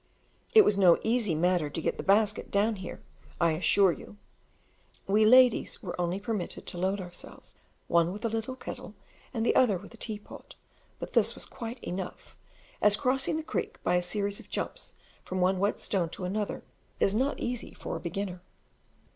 It was no easy matter to get the basket down here, I assure you; we ladies were only permitted to load ourselves, one with a little kettle, and the other with a tea pot, but this was quite enough, as crossing the creek by a series of jumps from one wet stone to another is not easy for a beginner.